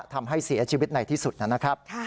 ทำให้เสียชีวิตในที่สุดนะครับ